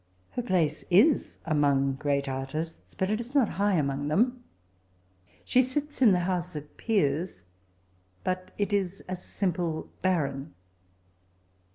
Her place is among great artists, bat it is not high among them. 8he sits in the HoQse of Peers, bat it is as a simple Baron.